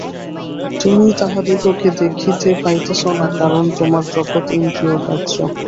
তুমি তাঁহাদিগকে দেখিতে পাইতেছ না, কারণ তোমার জগৎ ইন্দ্রিয়গ্রাহ্য।